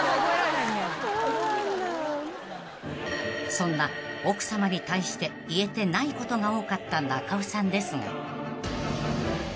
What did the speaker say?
［そんな奥さまに対して言えてないことが多かった中尾さんですが］